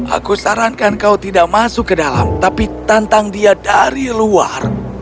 aku sarankan kau tidak masuk ke dalam tapi tantang dia dari luar